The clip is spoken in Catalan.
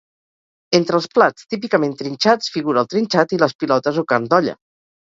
Entre els plats típicament trinxats figura el trinxat i les pilotes o carn d'olla.